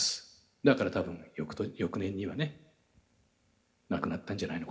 だから多分翌年にはね亡くなったんじゃないのかな。